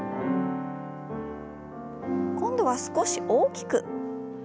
今度は少し大きく。